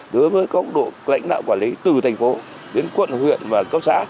đối với cộng độ lãnh đạo quản lý từ thành phố đến quận huyện và cấp xã